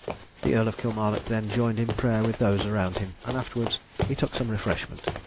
The Earl of Kilmarnock then joined in prayer with those around him, and afterwards he took some refreshment.